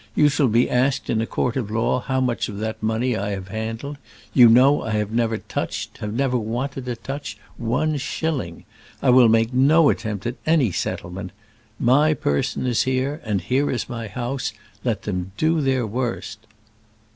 You shall be asked in a court of law how much of that money I have handled. You know that I have never touched have never wanted to touch one shilling. I will make no attempt at any settlement. My person is here, and there is my house. Let them do their worst."